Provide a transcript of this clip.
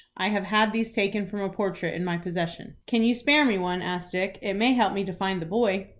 I have had these taken from a portrait in my possession." "Can you spare me one?" asked Dick. "It may help me to find the boy."